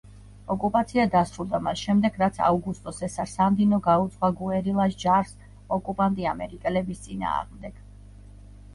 ოკუპაცია დასრულდა მას შემდეგ, რაც აუგუსტო სესარ სანდინო გაუძღვა გუერილას ჯარს ოკუპანტი ამერიკელების წინააღმდეგ.